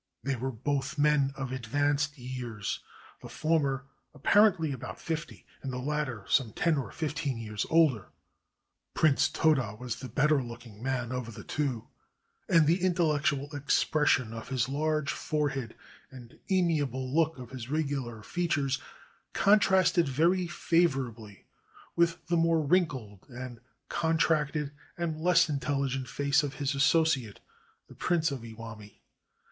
They were both men of advanced years, the former apparently about fifty, and the latter some ten or fifteen years older. Prince Toda was the better looking man of the two, and the intellectual expression of his large forehead and amiable look of his regular features contrasted very favorably with the more wrinkled and contracted and less intelligent face of his associate, the Prince of Iwami.